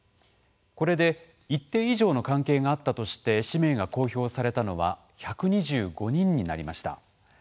これで一定以上の関係があったとして氏名が公表されたのは１２５人になりました。